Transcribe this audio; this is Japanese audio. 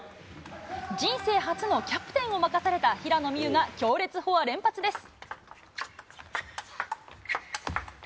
人生初のキャプテンを任された平野美宇が強烈フォア連発です。